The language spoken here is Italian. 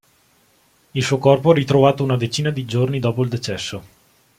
Il suo corpo è ritrovato una decina di giorni dopo il decesso.